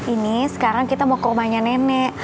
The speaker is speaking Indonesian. ini sekarang kita mau ke rumahnya nenek